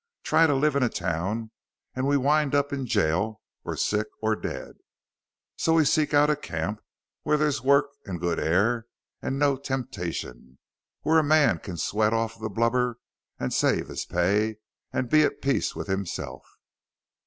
Try to live in a town and we wind up in jail or sick or dead. So we seek out a camp where there's work and good air and no temptation, where a man can sweat off the blubber and save his pay and be at peace with himself.